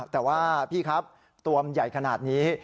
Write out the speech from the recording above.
แต่ว่าพี่ครับตัวมันใหญ่ขนาดนี้